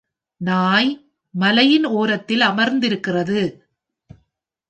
நாய் மலையின் ஓரத்தில் அமர்ந்திருக்கிறது.